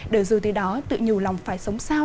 để dù từ đó tự nhủ lòng phải sống sao